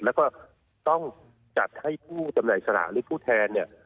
แล้วก็ต้องจัดให้ผู้จำหน่ายสลากหรือผู้แทนเนี่ย